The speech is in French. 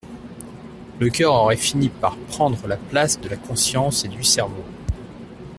Le coeur aurait fini par prendre la place de la conscience et du cerveau.